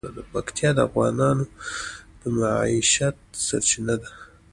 پکتیکا د افغانانو د معیشت سرچینه ده.